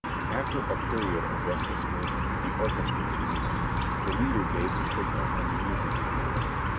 After a period of restless waiting the orchestra tuned up. The leader gave the signal and the music commenced.